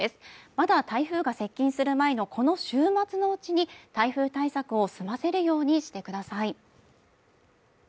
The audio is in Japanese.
まだ台風が接近する前のこの週末のうちに台風対策を済ませるようにしてください。